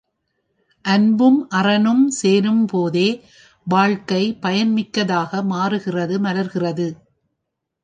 அன்பும் அறனும் சேரும் போதே வாழ்க்கை பயன்மிக்கதாக மாறுகிறது மலர்கிறது.